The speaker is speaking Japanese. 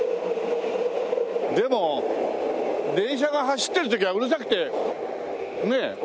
でも電車が走ってる時はうるさくてねえ